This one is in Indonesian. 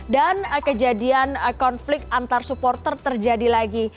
kejadian konflik antar supporter terjadi lagi